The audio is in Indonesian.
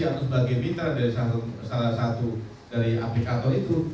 atau sebagai mitra dari salah satu dari aplikator itu